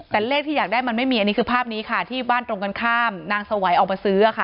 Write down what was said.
แต่เลขที่อยากได้มันไม่มีอันนี้คือภาพนี้ค่ะที่บ้านตรงกันข้ามนางสวัยออกมาซื้อค่ะ